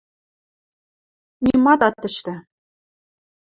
Нимат ат ӹштӹ!..